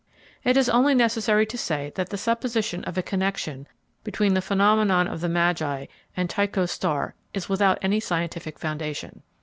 It is only necessary to say that the supposition of a connection between the phenomenon of the Magi and Tycho's star is without any scientific foundation.